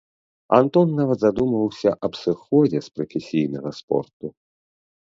Антон нават задумваўся аб сыходзе з прафесійнага спорту.